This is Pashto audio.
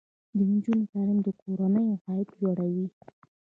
د نجونو تعلیم د کورنۍ عاید لوړوي.